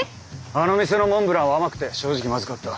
あの店のモンブランは甘くて正直まずかった。